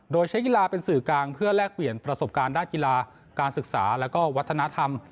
โดยใช้กีฬาเป็นสื่อกลางเพื่อแลกเปลี่ยนประสบการณ์ด้านกีฬาการศึกษาและก็วัฒนธรรม